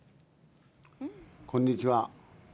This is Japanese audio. こんにちは。